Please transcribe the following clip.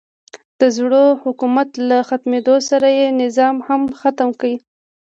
د زوړ حکومت له ختمېدو سره یې نظام هم ختم کړی.